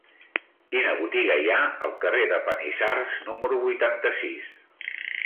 Quina botiga hi ha al carrer de Panissars número vuitanta-sis?